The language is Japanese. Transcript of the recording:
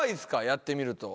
やってみると。